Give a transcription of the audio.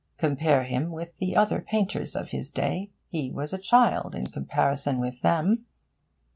Compare him with the other painters of his day. He was a child in comparison with them.